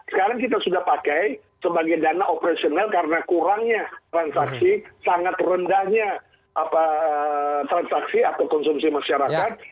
sekarang kita sudah pakai sebagai dana operasional karena kurangnya transaksi sangat rendahnya transaksi atau konsumsi masyarakat